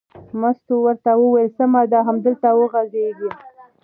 مستو ورته وویل: سمه ده همدلته وغځېږه.